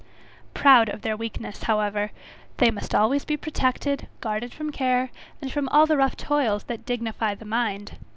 Proud of their weakness, however, they must always be protected, guarded from care, and all the rough toils that dignify the mind.